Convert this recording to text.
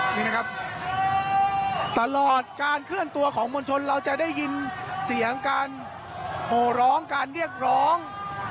นี่นะครับตลอดการเคลื่อนตัวของมวลชนเราจะได้ยินเสียงการโหร้องการเรียกร้อง